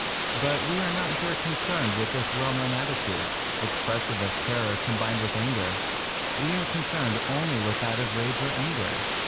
But we are not here concerned with this well known attitude, expressive of terror combined with anger; we are concerned only with that of rage or anger.